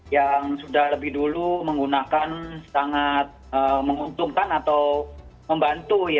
yang sudah lebih dulu menggunakan sangat menguntungkan atau membantu